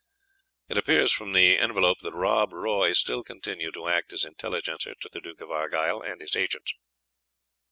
It appears from the envelope that Rob Roy still continued to act as Intelligencer to the Duke of Argyle, and his agents.